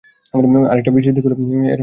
আরেকটা বিশেষ দিক হলো এর কাস্টিং।